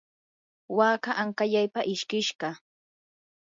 waka ankallaypam ishkishqa.